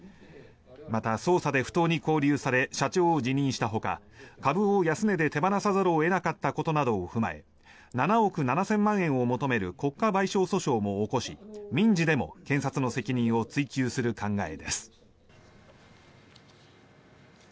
また捜査で不当に勾留され社長を辞任したほか株を安値で手放さざるを得なかったとなどを踏まえ７億７０００万円を求める国家賠償訴訟も起こし民事でも検察の責任を追及する考えです。